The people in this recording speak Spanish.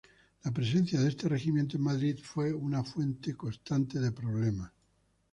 La presencia de este regimiento en Madrid fue una fuente constante de problemas.